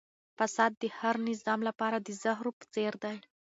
فساد د هر نظام لپاره د زهرو په څېر دی.